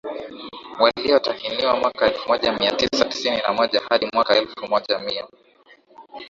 waliotahiniwa mwaka elfu moja mia tisa tisini na moja hadi mwaka elfu moja mia